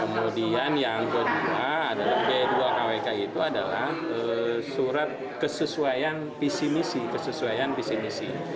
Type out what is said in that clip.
kemudian yang kedua adalah b dua kwk itu adalah surat kesesuaian visi misi